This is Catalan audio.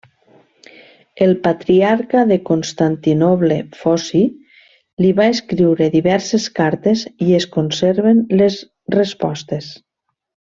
El patriarca de Constantinoble Foci, li va escriure diverses cartes i es conserven les respostes.